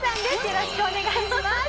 よろしくお願いします。